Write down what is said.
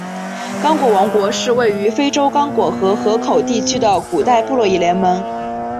刚果王国是位于非洲刚果河河口地区的古代部落联盟。